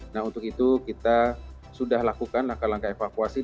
nah untuk itu kita sudah lakukan langkah langkah evakuasi